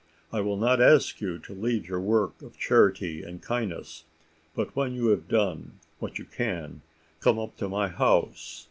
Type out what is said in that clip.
I will not ask you to leave your work of charity and kindness; but when you have done what you can, come up to my house.